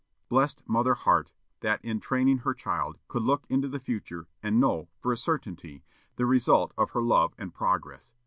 Blessed mother heart, that, in training her child, could look into the future, and know, for a certainty, the result of her love and progress!